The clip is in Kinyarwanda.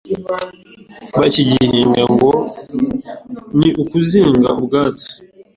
bakigihinga ngo ni ukuzinga ubwatsi